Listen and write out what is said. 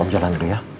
om jalan dulu ya